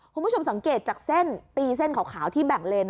คุณผู้ชมสังเกตจากเส้นตีเส้นขาวที่แบ่งเลน